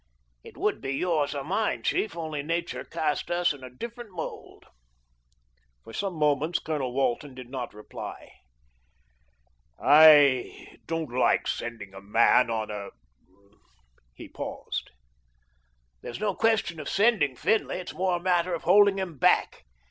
"It would be yours or mine, chief, only nature cast us in a different mould." For some moments Colonel Walton did not reply. "I don't like sending a man on a " He paused. "There's no question of sending Finlay; it's more a matter of holding him back.